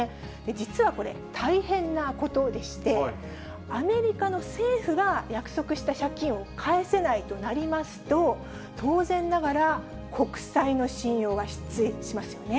実はこれ、大変なことでして、アメリカの政府が約束した借金を返せないとなりますと、当然ながら、国債の信用は失墜しますよね。